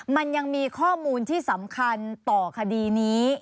มันยังมีข้อมูลที่สำคัญต่อคดีนี้